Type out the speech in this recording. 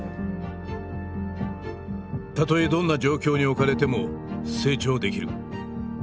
「たとえどんな状況に置かれても成長できる」